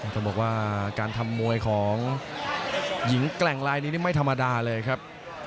ต้องบอกว่าการทำมวยของหญิงแกร่งลายนี้นี่ไม่ธรรมดาเลยครับ